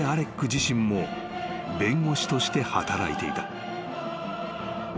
自身も弁護士として働いていた］